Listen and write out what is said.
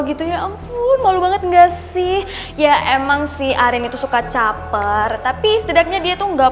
gitu ya ampun malu banget gak sih ya emang sih arin itu suka caper tapi sedeknya dia tuh nggak